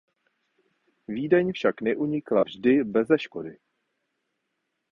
Vídeň však neunikla vždy beze škody.